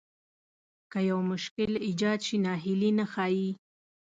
که يو مشکل ايجاد شي ناهيلي نه ښايي.